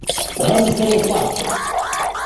Давайте скорее пластырь!